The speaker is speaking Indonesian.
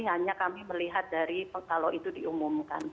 hanya kami melihat dari kalau itu diumumkan